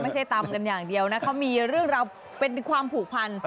ไม่ใช่ตำกันอย่างเดียวนะเขามีเรื่องราวเป็นความผูกพัน